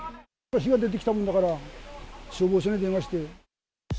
火が出てきたもんだから、消防署に電話して。